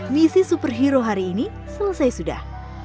misi superhero hari ini selesai sudah